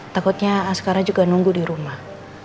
takutnya asqara juga nunggu dirumah